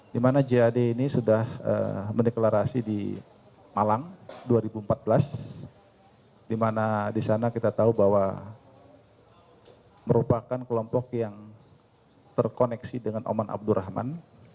di mana jad ini sudah mendeklarasi di malang dua ribu empat belas di mana di sana kita tahu bahwa merupakan kelompok yang terkoneksi dengan oman abdurrahman